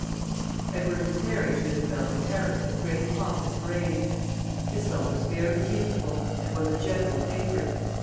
] Edward was married to Isabel in Paris with great pomp and parade. Isabel was very beautiful, and was a general favorite.